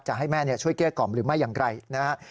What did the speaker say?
ให้แม่ช่วยเกลี้ยกล่อมหรือไม่อย่างไรนะฮะ